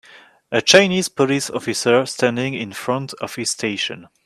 A Chinese police officer standing in front of his station.